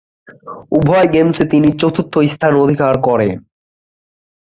উভয় গেমসে তিনি চতুর্থ স্থান অধিকার করেন।